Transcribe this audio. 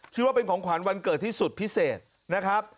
ว่าเป็นของขวัญวันเกิดที่สุดพิเศษนะครับ